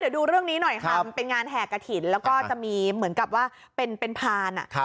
เดี๋ยวดูเรื่องนี้หน่อยค่ะมันเป็นงานแห่กระถิ่นแล้วก็จะมีเหมือนกับว่าเป็นพาน